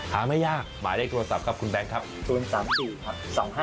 หาไม่ยากหมายได้โทรศัพท์ครับคุณแบงค์ครับ